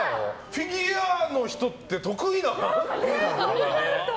フィギュアの人って得意なの？